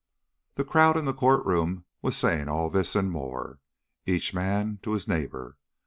The crowd in the court room was saying all this and more, each man to his neighbor.